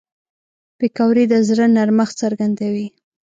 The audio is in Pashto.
پکورې د زړه نرمښت څرګندوي